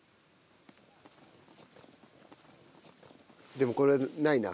でもこれないな。